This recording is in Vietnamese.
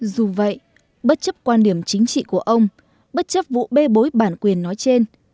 dù vậy bất chấp quan điểm chính trị của ông bất chấp vụ bê bối bản quyền nói trên